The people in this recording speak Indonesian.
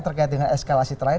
terkait dengan eskalasi terakhir